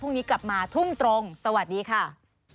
พรุ่งนี้กลับมาทุ่มตรงสวัสดีค่ะ